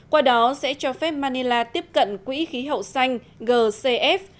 qua đó sẽ cho phép manila tiếp cận quỹ khí hậu xanh gcf